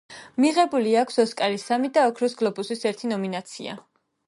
მიღებული აქვს ოსკარის სამი და ოქროს გლობუსის ერთი ნომინაცია.